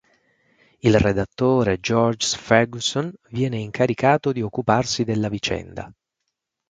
Il redattore Georges Fergusson viene incaricato di occuparsi della vicenda.